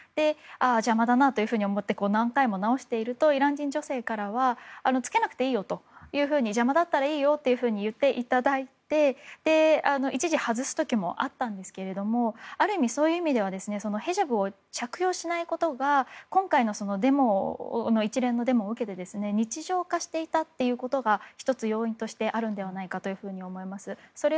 邪魔だなと思って何回も直しているとイラン人女性からは着けなくていいよ邪魔だったらいいよと言っていただいて一時、外す時もあったんですがそういう意味ではヒジャブを着用しないことが今回の一連のデモを受けて日常化していたということが１つ要因としてあると思います。